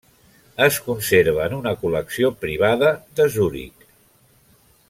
Es conserva en una col·lecció privada de Zuric.